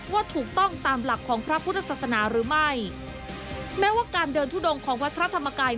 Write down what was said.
ว่าถูกต้องตามหลักของพระพุทธศาสนาหรือไม่แม้ว่าการเดินทุดงของวัดพระธรรมกาย